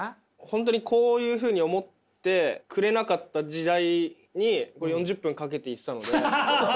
本当にこういうふうに思ってくれなかった時代に４０分かけて行ってたので。